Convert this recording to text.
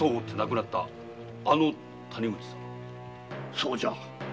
そうじゃ。